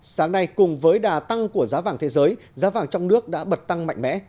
sáng nay cùng với đà tăng của giá vàng thế giới giá vàng trong nước đã bật tăng mạnh mẽ